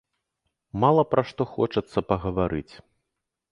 Мала пра што хочацца пагаварыць!